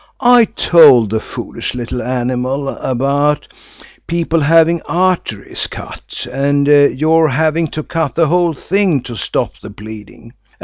I told the foolish little animal about people having arteries cut, and your having to cut the whole thing to stop the bleeding.